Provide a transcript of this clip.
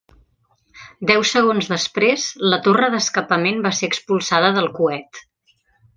Deu segons després, la torre d'escapament va ser expulsada del coet.